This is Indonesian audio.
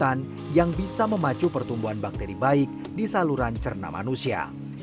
hai yang bisa memacu pertumbuhan bakteri baik di saluran cerna manusia